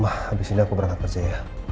yaudah mba abis ini aku berangkat kerja ya